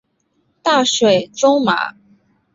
大水苎麻